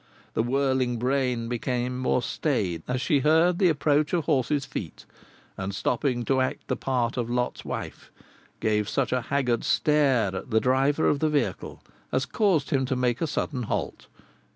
The whirling brain became more staid as she heard the approach of horses' feet, and stopping to act the part of Lot's wife, gave such a haggard stare at the driver of the vehicle as caused him to make a sudden halt.